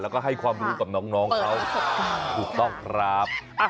แล้วก็ให้ความรู้กับน้องเขา